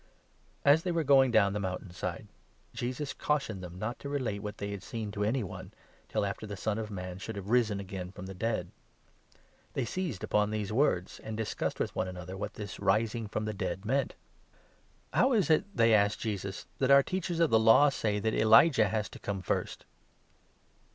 As they were going 9 down the mountain side, Jesus cautioned them not * Q"e"t.i.°" to relate what they had seen to anyone, till after " the Son of Man should have risen again from the dead. They seized upon these words and discussed with one 10 another what this ' rising from the dead ' meant Hos. 6. 2. 7 Ps. 2. 7 ; Isa. 42. i. 22 MARK, Q. " How is it," they asked Jesus, " that our Teachers of the II Law say that Elijah has to come first